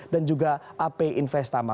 dan juga ap investama